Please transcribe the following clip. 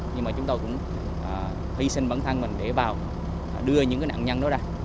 nhưng mà chúng tôi cũng hy sinh bản thân mình để vào đưa những nạn nhân đó ra